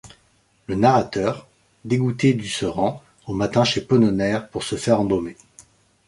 Le narrateur, dégouté du se rend, au matin chez Ponnoner pour se faire embaumer.